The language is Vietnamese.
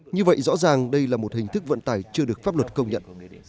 như vậy rõ ràng đây là một hình thức vận tải chưa được pháp luật công nhận